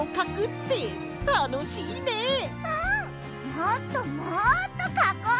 もっともっとかこう！